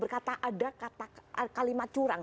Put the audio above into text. berkata ada kalimat curang